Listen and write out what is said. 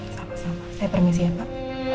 sama sama saya permisi ya pak